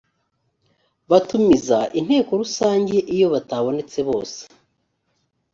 batumiza inteko rusange iyo batabonetse bose.